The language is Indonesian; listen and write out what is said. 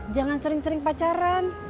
jangan sering sering pacaran